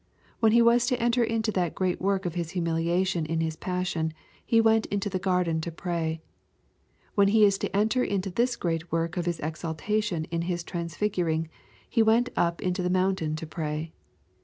When He was to enter into that great work of His humiliation in His passion, He went into the garden to pray. When He is to enter into this great work of His exaltation in His transfiguring, He went up into the mountain to pray.